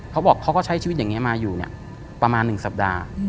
เขาบอกเขาก็ใช้ชีวิตอย่างนี้มาอยู่เนี่ยประมาณ๑สัปดาห์